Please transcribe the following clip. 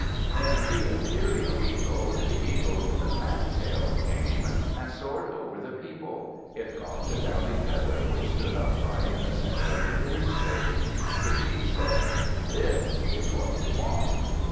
Then the imperial eagle, the eagle with the fantail, came, and soared over the people. It dropped a downy feather which stood upright in the center of the cleared space. The chief said, "This is what we want."